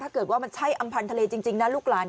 ถ้าเกิดว่ามันใช่อำพันธ์ทะเลจริงนะลูกหลาน